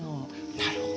なるほど。